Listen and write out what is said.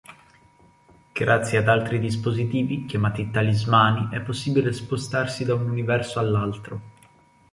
Grazie ad altri dispositivi, chiamati talismani, è possibile spostarsi da un universo all'altro.